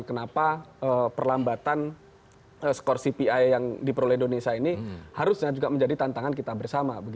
kenapa perlambatan skor cpi yang diperoleh indonesia ini harusnya juga menjadi tantangan kita bersama